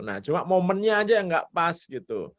nah cuma momennya aja yang nggak pas gitu